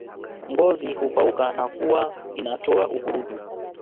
Ngozi hupauka na kuwa inatoa ukurutu